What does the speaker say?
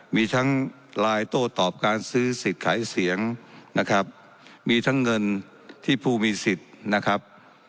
มีทั้งไลน์โต้ตอบการซื้อสิทธิ์ขายเสียงนะครับมีทั้งเงินที่ผู้มีสิทธิ์นะครับ